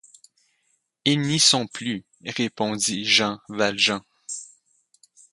Ils n’y sont plus, répondit Jean Valjean.